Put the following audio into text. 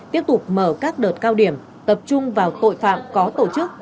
tiếp tục mở các đợt cao điểm tập trung vào tội phạm có tổ chức